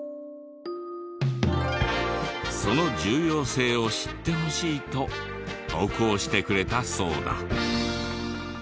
その重要性を知ってほしい！と投稿してくれたそうだ。